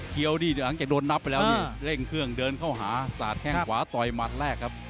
นี่หลังจากโดนนับไปแล้วนี่เร่งเครื่องเดินเข้าหาสาดแข้งขวาต่อยหมัดแรกครับ